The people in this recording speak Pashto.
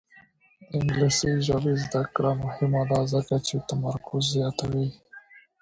د انګلیسي ژبې زده کړه مهمه ده ځکه چې تمرکز زیاتوي.